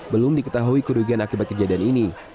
belum diketahui kerugian akibat kejadian ini